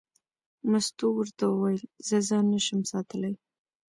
مستو ورته وویل: زه ځان نه شم ساتلی.